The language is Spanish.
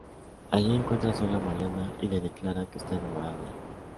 Allí encuentra sola a Mariana y le declara que está enamorado de ella.